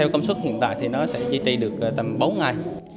công suất hiện tại thì nó sẽ di tì được tầm bốn ngày